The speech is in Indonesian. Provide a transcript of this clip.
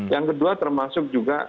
yang kedua termasuk juga